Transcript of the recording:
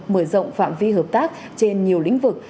mở rộng phạm vi hợp tác trên nhiều lĩnh vực